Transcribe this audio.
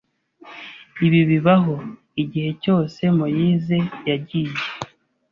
Ibi bibaho igihe cyose Moise yagiye.